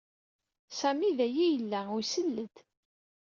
Sami d-ayi i yella u isel-d.